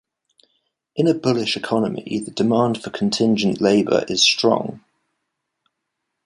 In a bullish economy, the demand for contingent labor is strong.